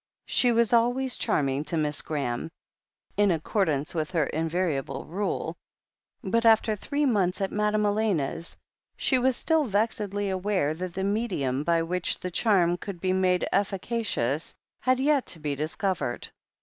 She was always charming to Miss Graham, in ac cordance with her invariable rule, but after three months at Madame Elena's she was still vexedly aware that the medium by which the charm could be made efficacious had yet to be discovered.